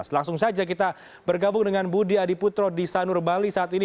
langsung saja kita bergabung dengan budi adiputro di sanur bali saat ini